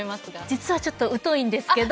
実はちょっと疎いんですけど。